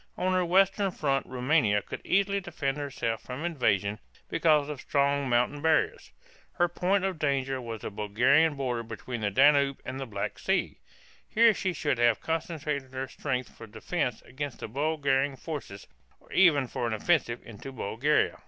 On her western front Roumania could easily defend herself from invasion because of strong mountain barriers. Her point of danger was the Bulgarian boundary between the Danube and the Black Sea. Here she should have concentrated her strength for defense against the Bulgarian forces or even for an offensive into Bulgaria.